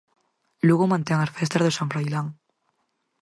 Lugo mantén as festas do San Froilán.